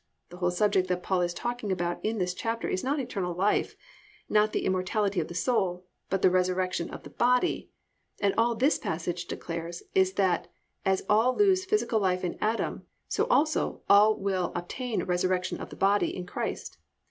The whole subject that Paul is talking about in this chapter is not eternal life, not the immortality of the soul, but the resurrection of the body, and all this passage declares is that as all lose physical life in Adam, so also all will obtain a resurrection of the body in Christ.